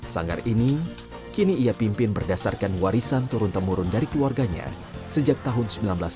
sanggar ini kini ia pimpin berdasarkan warisan turun temurun dari keluarganya sejak tahun seribu sembilan ratus sembilan puluh